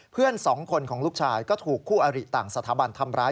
เพื่อนสองคนของลูกชายก็ถูกคู่อริต่างสถาบันทำร้าย